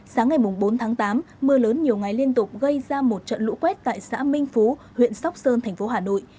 sáng ngày bốn tháng tám mưa lớn nhiều ngày liên tục gây ra một trận lũ quét tại xã minh phú huyện sóc sơn thành phố hà nội